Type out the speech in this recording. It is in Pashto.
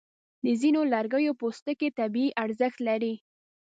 د ځینو لرګیو پوستکي طبي ارزښت لري.